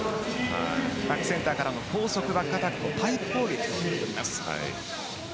バックセンターからの高速バックアウトをパイプ攻撃といいます。